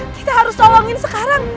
kita harus tolongin sekarang